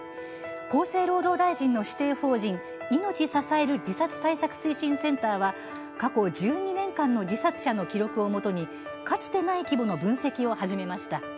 厚生労働大臣の指定法人いのち支える自殺対策推進センターは過去１２年間の自殺者の記録を基にかつてない規模の分析を始めました。